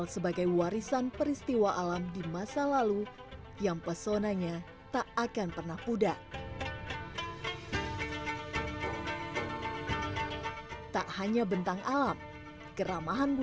saat normal jangan sampai yang kita buat ini malah hilang